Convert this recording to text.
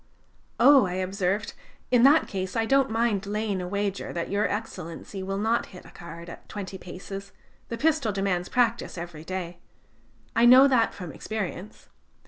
"Oh!" I observed, "in that case, I don't mind laying a wager that Your Excellency will not hit the card at twenty paces; the pistol demands practice every day. I know that from experience.